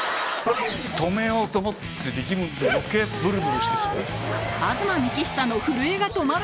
止めようと思って力むと余計ブルブルしてきて。